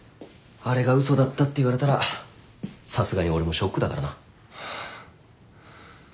あれが嘘だったって言われたらさすがに俺もショックだからな。